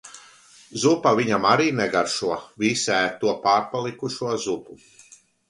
Zupa viņam arī negaršo. Visi ēd to pārpalikušo zupu.